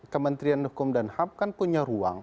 kementerian hukum dan ham kan punya ruang